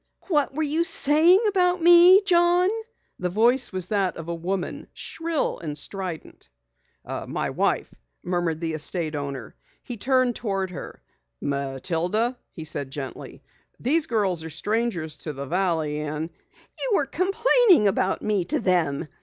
"What were you saying about me, John?" The voice was that of a woman, shrill and strident. "My wife," murmured the estate owner. He turned toward her. "Matilda," he said gently, "these girls are strangers to the Valley " "You were complaining about me to them!"